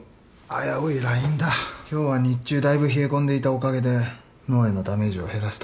今日は日中だいぶ冷え込んでいたおかげで脳へのダメージを減らせたかも。